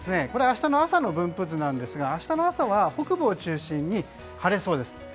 これは明日の朝の分布図ですが明日の朝は北部を中心に晴れそうです。